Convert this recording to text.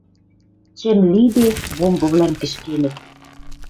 Чӹм лиде, бомбывлӓм кӹшкенӹт.